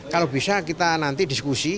kalau bisa kita nanti diskusi